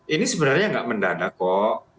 ini sebenarnya nggak mendadak kok